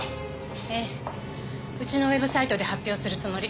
うちのウェブサイトで発表するつもり。